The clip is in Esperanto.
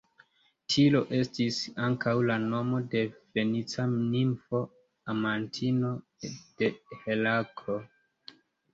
Tiro estis ankaŭ la nomo de fenica nimfo, amantino de Heraklo.